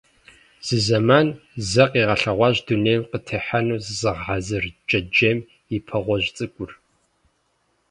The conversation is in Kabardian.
Зы зэман зэ къилъэгъуащ дунейм къытехьэну зызыгъэхьэзыр джэджьейм и пэ гъуэжь цӀыкӀур.